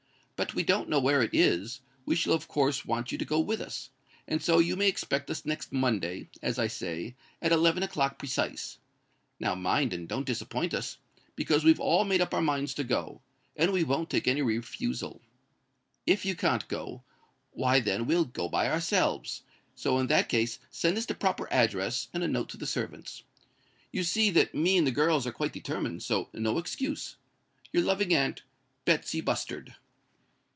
But as we don't know where it is, we shall of course want you to go with us; and so you may expect us next Monday, as I say, at eleven o'clock precise. Now mind and don't disappoint us; because we've all made up our minds to go, and we won't take any refusal. If you can't go, why then we'll go by ourselves; so in that case send us the proper address, and a note to the servants. You see that me and the girls are quite determined; so no excuse. "Your loving aunt, "BETSY BUSTARD."